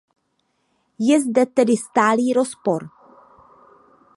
Je zde tedy stálý rozpor.